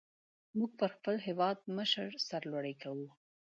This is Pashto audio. موږ پر خپل هېوادمشر سر لوړي کو.